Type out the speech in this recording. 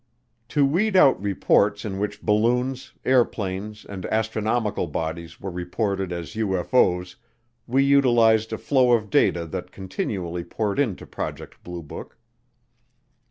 To weed out reports in which balloons, airplanes, and astronomical bodies were reported as UFO's, we utilized a flow of data that continually poured into Project Blue Book.